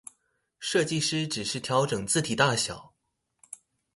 設計師只是調整字體大小